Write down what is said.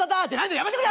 やめてくれよ！